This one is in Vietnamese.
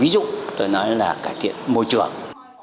rồi nói là cải thiện môi trường